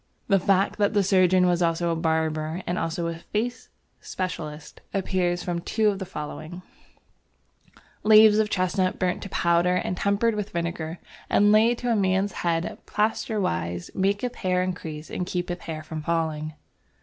The fact that the surgeon was also a barber, and also a "face specialist," appears from the two following: "Leaves of Chestnut burnt to powder and tempered with Vinegar and laid to a man's Head plaisterwise maketh Hair increase and keepeth hair from falling."